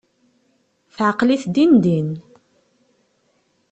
Teɛqel-it din din.